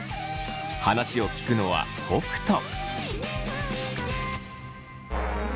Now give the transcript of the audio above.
話を聞くのは北斗。